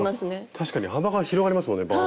確かに幅が広がりますもんねバーンってね。